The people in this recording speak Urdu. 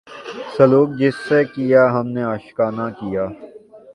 سلوک جس سے کیا ہم نے عاشقانہ کیا